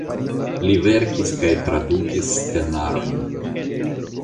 Li verkis aŭ tradukis scenarojn.